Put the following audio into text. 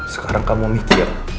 sekarang kamu mikir